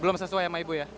belum sesuai sama ibu ya